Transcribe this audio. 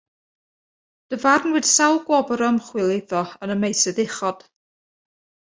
Dyfarnwyd sawl gwobr ymchwil iddo yn y meysydd uchod.